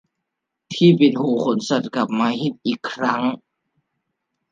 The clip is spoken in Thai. ที่ปิดหูขนสัตว์กลับมาฮิตอีกครั้ง